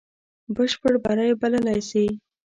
بشپړ بری بللای سي.